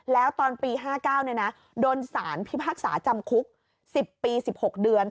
แล้วตอนปี๕๙โดนสารพิพากษาจำคุก๑๐ปี๑๖เดือน